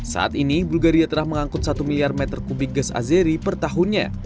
saat ini bulgaria telah mengangkut satu miliar meter kubik gas azeri per tahunnya